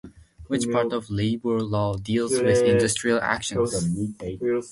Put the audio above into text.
Which part of labour law deals with industrial actions?